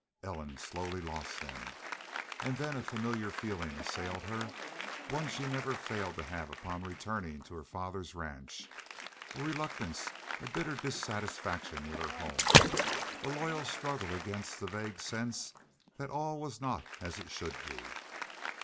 Ellen slowly lost them. And then a familiar feeling assailed her, one she never failed to have upon returning to her father's ranch a reluctance, a bitter dissatisfaction with her home, a loyal struggle against the vague sense that all was not as it should be.